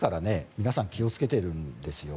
皆さん気をつけてるんですよ。